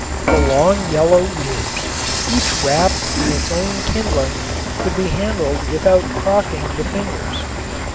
The long yellow ears, each wrapped in its own kindling, could be handled without crocking the fingers.